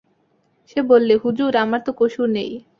সে বললে, হুজুর, আমার তো কসুর নেই।